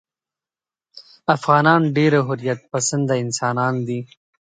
افغانان ډېر حریت پسنده انسانان دي.